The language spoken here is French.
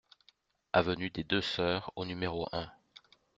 Avenue des Deux Sœurs au numéro un